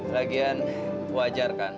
lagian wajar kan